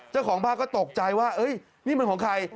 เจ้าของบ้านก็ตกใจว่านี่มันของใคร